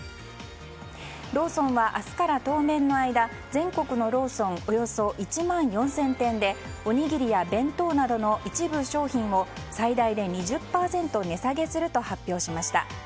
ローソンは明日から当面の間全国のローソンおよそ１万４０００店でおにぎりや弁当などの一部商品を最大で２０％値下げすると発表しました。